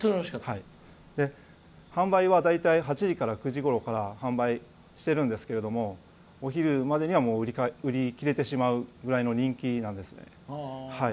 販売は大体８時か９時ごろから販売しているんですけれどもお昼までには売り切れてしまうぐらいの人気なんです。